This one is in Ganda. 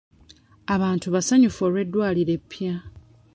Abantu basanyufu olw'eddwaliro eppya.